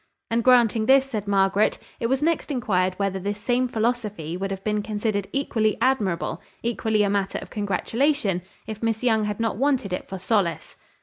"And, granting this," said Margaret, "it was next inquired whether this same philosophy would have been considered equally admirable, equally a matter of congratulation, if Miss Young had not wanted it for solace."